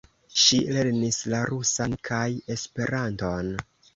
Ŝi lernis la rusan kaj Esperanton.